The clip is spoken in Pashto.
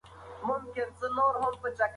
هغه غوښتل چې خپله کورنۍ له غربت څخه وژغوري.